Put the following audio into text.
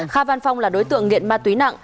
kha văn phong là đối tượng nghiện ma túy nặng